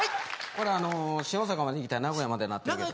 これあの新大阪まで行きたい名古屋までになってるけど。